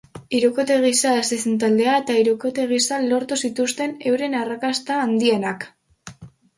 Hirukote gisa hasi zen taldea eta hirukote gisa lortu zituzten euren arrrakasta handienak.